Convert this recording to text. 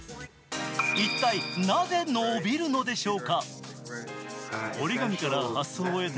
一体なぜ伸びるのでしょうか。